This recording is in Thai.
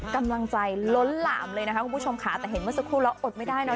กำลังใจล้นหลามเลยนะคะคุณผู้ชมค่ะแต่เห็นเมื่อสักครู่แล้วอดไม่ได้เนอ